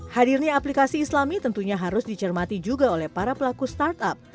hadirnya aplikasi islami tentunya harus dicermati juga oleh para pelaku startup